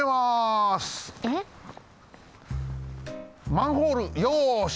マンホールよし！